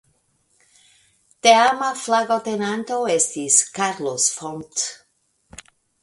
Teama flagotenanto estis "Carlos Font".